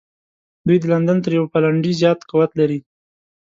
دوی د لندن تر یوه پلنډي زیات قوت لري.